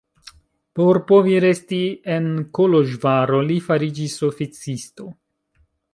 Por povi resti en Koloĵvaro li fariĝis oficisto.